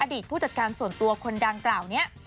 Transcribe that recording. ผู้จัดการส่วนตัวคนดังกล่าวนี้